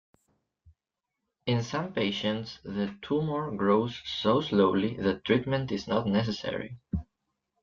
In some patients, the tumor grows so slowly that treatment is not necessary.